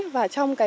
và trong cái